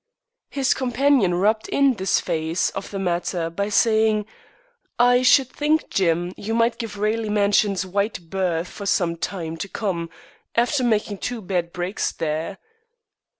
His companion rubbed in this phase of the matter by saying: "I should think, Jim, you will give Raleigh Mansions wide berth for some time to come, after making two bad breaks there."